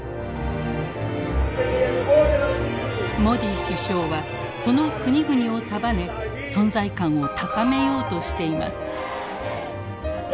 モディ首相はその国々を束ね存在感を高めようとしています。